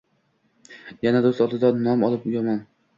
Yana do‘st oldida nom olib yomon